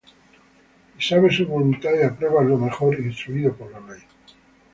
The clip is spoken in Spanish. Y sabes su voluntad, y apruebas lo mejor, instruído por la ley;